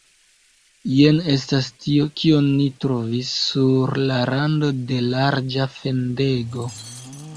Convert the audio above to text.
Jen estas tio, kion ni trovis sur la rando de larĝa fendego.